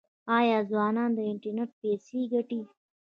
آیا ځوانان له انټرنیټ پیسې ګټي؟